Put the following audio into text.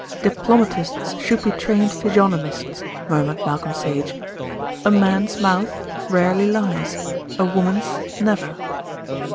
"Diplomatists should be trained physiognomists," murmured Malcolm Sage. "A man's mouth rarely lies, a woman's never."